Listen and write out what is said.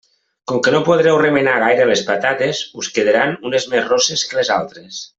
Com que no podreu remenar gaire les patates, us quedaran unes més rosses que les altres.